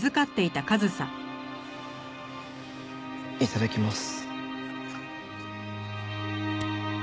いただきます。